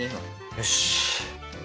よし！